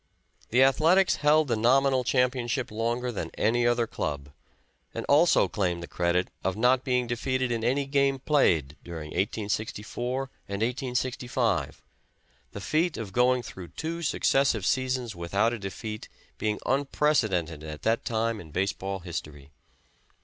The Athletics held the nominal championship longer than any other club, and also claims the credit of not being defeated in any game played during 1864 and 1865, the feat of going through two successive seasons without a defeat being unprecedented at that time in base ball history.